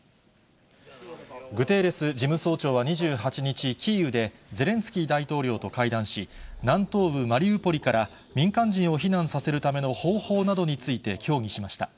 グテーレス事務総長は２８日、キーウで、ゼレンスキー大統領と会談し、南東部マリウポリから民間人を避難させるための方法などについて協議しました。